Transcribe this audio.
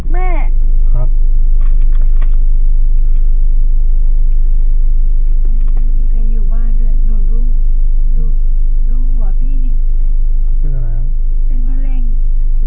น้องก่อนอาจกลับมาดูพี่ลูก